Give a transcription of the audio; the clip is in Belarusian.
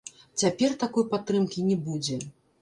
Цяпер такой падтрымкі не будзе.